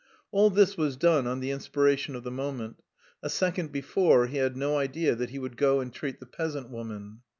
All this was done on the inspiration of the moment: a second before he had no idea that he would go and treat the peasant woman.